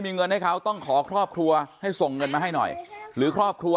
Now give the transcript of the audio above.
มีเงินให้เขาต้องขอครอบครัวให้ส่งเงินมาให้หน่อยหรือครอบครัว